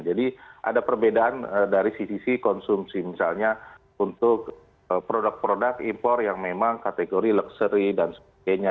jadi ada perbedaan dari sisi konsumsi misalnya untuk produk produk impor yang memang kategori luxury dan sebagainya